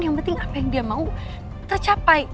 yang penting apa yang dia mau tercapai